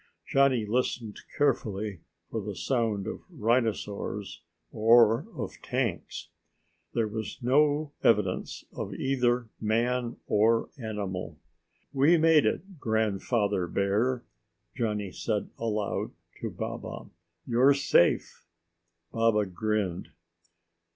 Johnny listened carefully for the sound of rhinosaurs or of tanks. There was no evidence of either man or animal. "We made it, Grandfather Bear!" Johnny said aloud to Baba. "You're safe!" Baba grinned.